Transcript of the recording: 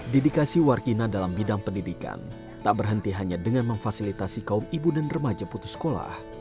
dedikasi warkina dalam bidang pendidikan tak berhenti hanya dengan memfasilitasi kaum ibu dan remaja putus sekolah